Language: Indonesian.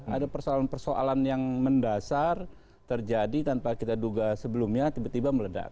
ada persoalan persoalan yang mendasar terjadi tanpa kita duga sebelumnya tiba tiba meledak